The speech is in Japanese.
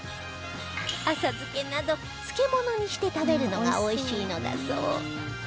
浅漬けなど漬物にして食べるのがおいしいのだそう